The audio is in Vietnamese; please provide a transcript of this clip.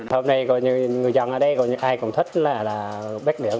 hôm nay người dân ở đây ai cũng thích bếp điện